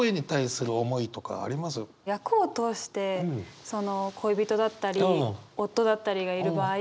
役を通してその恋人だったり夫だったりがいる場合